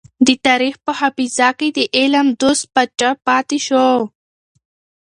د تاريخ په حافظه کې د علم دوست پاچا پاتې شو.